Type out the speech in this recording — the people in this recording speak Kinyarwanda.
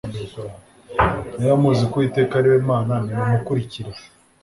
Niba muzi ko Uwiteka ari we Mana nimumukurikire